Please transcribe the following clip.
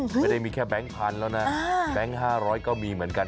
ไม่ได้มีแค่แก๊งพันแล้วนะแบงค์๕๐๐ก็มีเหมือนกัน